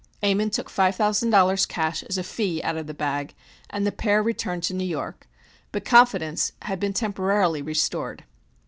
Ammon took five thousand dollars cash as a fee out of the bag, and the pair returned to New York. But confidence had been temporarily restored.